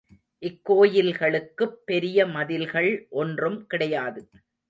இக்கோயில்களுக்குப் பெரிய மதில்கள் ஒன்றும் கிடையாது.